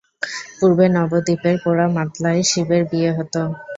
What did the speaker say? পূর্বে নবদ্বীপের পোড়ামাতলায় শিবের বিয়ে হত।